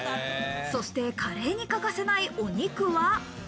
そしてカレーに欠かせないお肉は。